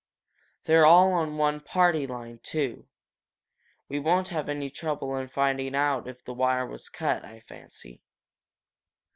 They're all on one party line, too. We won't have any trouble in finding out if the wire was cut, I fancy."